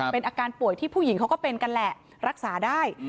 เป็นอาการป่วยที่ผู้หญิงเขาก็เป็นกันแหละรักษาได้